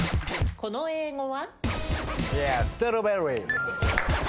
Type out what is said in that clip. この英語は？